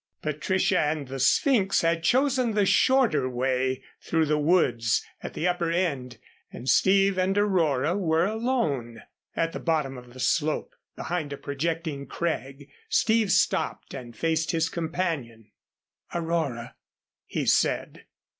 Patricia and the Sphynx had chosen the shorter way through the woods at the upper end and Steve and Aurora were alone. At the bottom of the slope behind a projecting crag Steve stopped and faced his companion. "Aurora," he said.